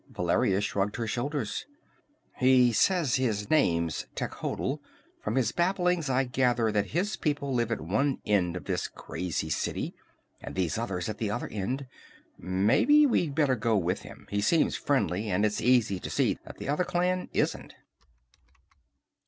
Valeria shrugged her shoulders. "He says his name's Techotl. From his babblings I gather that his people live at one end of this crazy city, and these others at the other end. Maybe we'd better go with him. He seems friendly, and it's easy to see that the other clan isn't."